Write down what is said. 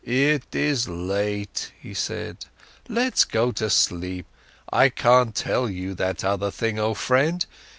"It is late," he said, "let's go to sleep. I can't tell you that other thing, oh friend.